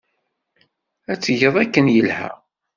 Ad t-tged akken yelha.